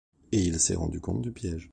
Et il s'est rendu compte du piège.